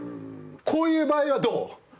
こういう場合はどう？